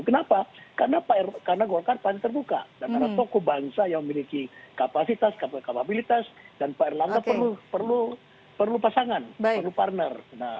kenapa karena golkar pan terbuka dan ada tokoh bangsa yang memiliki kapasitas kapabilitas dan pak erlangga perlu pasangan perlu partner